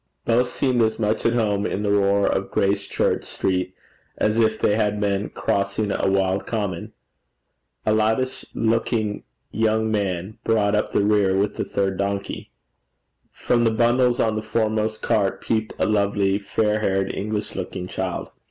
Both seemed as much at home in the roar of Gracechurch Street as if they had been crossing a wild common. A loutish looking young man brought up the rear with the third donkey. From the bundles on the foremost cart peeped a lovely, fair haired, English looking child.